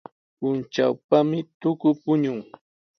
Puntrawpami tuku puñun.